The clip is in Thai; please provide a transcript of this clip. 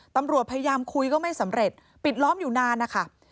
ตำรวจพยายามคุยก็ไม่สำเร็จปิดล้อมอยู่นานนะคะ